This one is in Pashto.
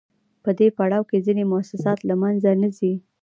په دې پړاو کې ځینې موسسات له منځه نه ځي